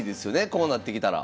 こうなってきたら。